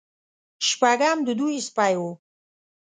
شپږم د دوی سپی و.